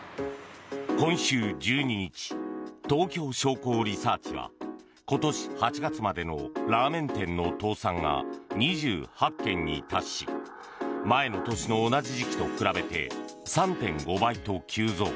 今週１２日東京商工リサーチは今年８月までのラーメン店の倒産が２８件に達し前の年の同じ時期と比べて３．５倍と急増。